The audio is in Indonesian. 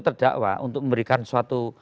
terdakwa untuk memberikan suatu